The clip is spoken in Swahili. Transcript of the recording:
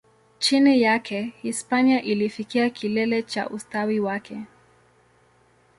Chini yake, Hispania ilifikia kilele cha ustawi wake.